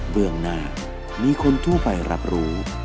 เรื่องหน้ามีคนทั่วไปรับรู้